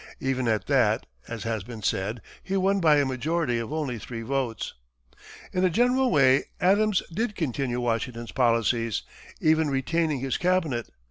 Even at that, as has been said, he won by a majority of only three votes. In a general way Adams did continue Washington's policies, even retaining his cabinet.